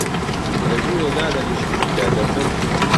لە ژوورێ دادەنیشم هێندە، دەمرم